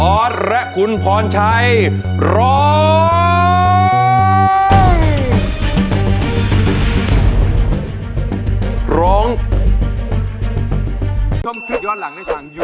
ออสและคุณพรชัยร้อง